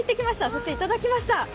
そしていただきました。